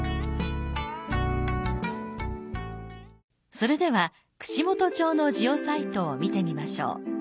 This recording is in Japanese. それでは串本町のジオサイトを見てみましょう。